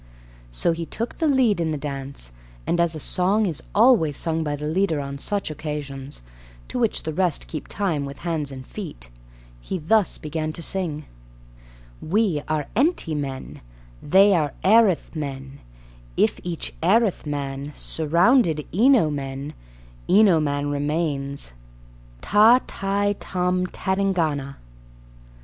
So he took the lead in the dance, and, as a song is always sung by the leader on such occasions, to which the rest keep time with hands and feet, he thus began to sing: We are enty men, They are erith men: If each erith man Surround eno men, Eno man remains. Tâ, tai, tôm, tadingana.